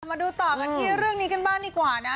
มาดูต่อกันที่เรื่องนี้กันบ้างดีกว่านะ